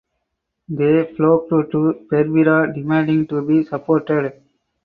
They flocked to Berbera demanding to be supported.